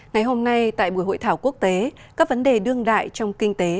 ngày hôm nay tại buổi hội thảo quốc tế các vấn đề đương đại trong kinh tế